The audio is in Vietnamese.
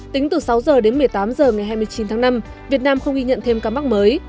tính từ sáu h đến một mươi tám h ngày hai mươi chín tháng năm việt nam không ghi nhận thêm ca mắc mới